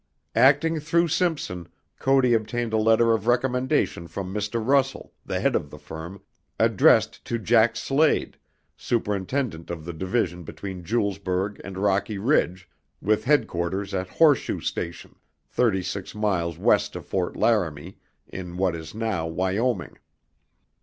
Acting through Simpson, Cody obtained a letter of recommendation from Mr. Russell, the head of the firm, addressed to Jack Slade, Superintendent of the division between Julesburg and Rocky Ridge, with headquarters at Horseshoe Station, thirty six miles west of Fort Laramie, in what is now Wyoming.